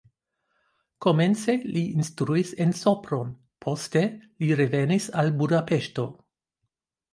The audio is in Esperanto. Komence li instruis en Sopron, poste li revenis al Budapeŝto.